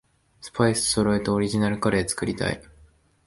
スパイスそろえてオリジナルカレー作りたい